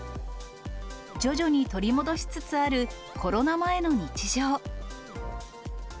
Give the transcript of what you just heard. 徐々に取り戻しつつあるコロナ前の日常。